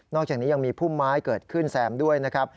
อกจากนี้ยังมีพุ่มไม้เกิดขึ้นแซมด้วยนะครับ